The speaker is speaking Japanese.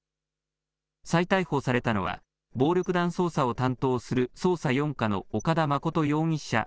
再逮捕されたのは、暴力団捜査を担当する捜査４課の岡田誠容疑者